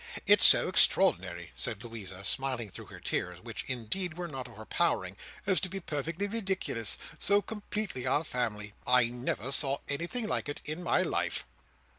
"It's so extraordinary," said Louisa; smiling through her tears, which indeed were not overpowering, "as to be perfectly ridiculous. So completely our family. I never saw anything like it in my life!"